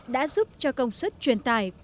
đã giúp cho công suất truyền tải